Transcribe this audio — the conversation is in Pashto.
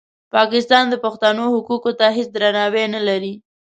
پاکستان د پښتنو حقوقو ته هېڅ درناوی نه لري.